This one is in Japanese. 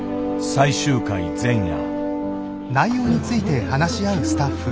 最終回前夜。